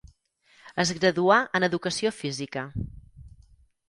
Es graduà en educació física.